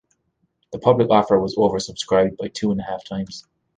The public offer was over-subscribed by two and a half times.